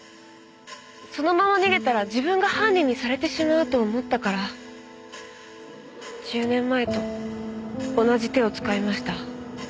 そのまま逃げたら自分が犯人にされてしまうと思ったから１０年前と同じ手を使いました。